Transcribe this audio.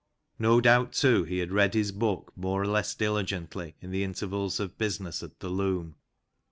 No doubt, too, he had read his book more or less diligently in the inter vals of business at the loom.